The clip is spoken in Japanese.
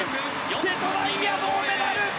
瀬戸大也、銅メダル！